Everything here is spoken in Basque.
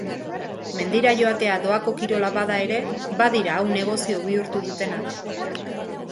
Mendira joatea doako kirola bada ere, badira hau negozio bihurtu dutenak.